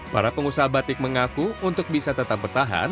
para pengusaha batik mengaku untuk bisa tetap bertahan